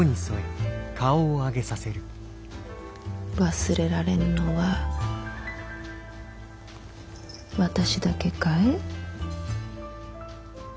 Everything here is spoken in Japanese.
忘れられぬのは私だけかえ？